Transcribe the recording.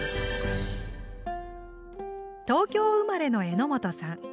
東京生まれの榎本さん。